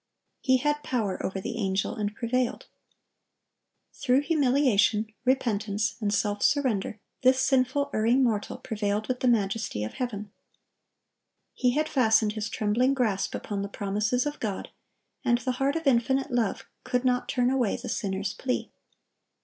"He had power over the Angel, and prevailed."(1058) Through humiliation, repentance, and self surrender, this sinful, erring mortal prevailed with the Majesty of heaven. He had fastened his trembling grasp upon the promises of God, and the heart of Infinite Love could not turn away the sinner's plea.